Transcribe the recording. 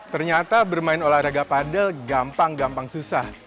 ternyata bermain olahraga padel gampang gampang susah